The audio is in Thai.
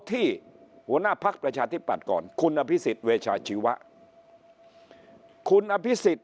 ที่หัวหน้าพักประชาธิปัตย์ก่อนคุณอภิษฎเวชาชีวะคุณอภิษฎ